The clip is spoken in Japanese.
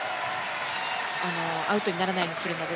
アウトにならないようにするので。